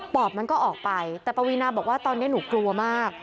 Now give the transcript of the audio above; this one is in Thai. อบมันก็ออกไปแต่ปวีนาบอกว่าตอนนี้หนูกลัวมาก